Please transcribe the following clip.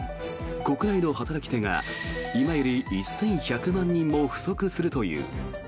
国内の働き手が今より１１００万人も不足するという。